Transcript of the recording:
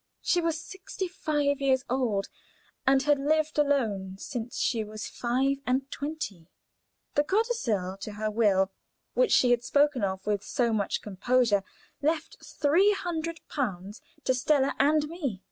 She was sixty five years old, and had lived alone since she was five and twenty. The codicil to her will, which she had spoken of with so much composure, left three hundred pounds to Stella and me.